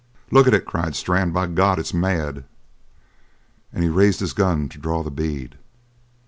"Look at it!" cried Strann. "By God, it's mad!" And he raised his gun to draw the bead.